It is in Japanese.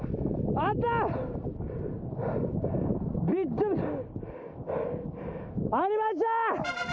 ありました！